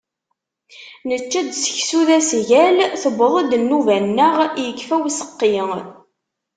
Nečča-d seksu d asgal. Tewweḍ-d nnuba-nneɣ, yekfa useqqi.